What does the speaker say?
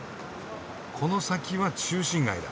この先は中心街だ。